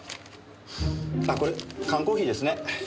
あっこれ缶コーヒーですね。